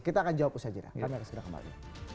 kita akan jawab usaha jeda kami akan segera kembali